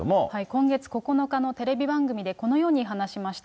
今月９日のテレビ番組で、このように話しました。